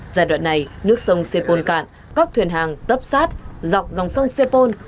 giai đoạn này nước sông sê pôn cạn cóc thuyền hàng tấp sát dọc dòng sông sê pôn